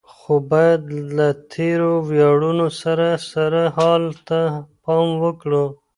خو بايد له تېرو وياړونو سره سره حال ته پام وکړو.